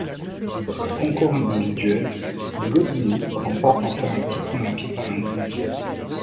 Dans le concours individuel, Gaudini remporte enfin un titre olympique en individuel.